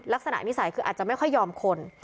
ลักษณะนิสัยคืออาจจะไม่ค่อยยอมคน